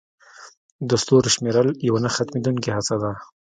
د ستورو شمیرل یوه نه ختمېدونکې هڅه ده.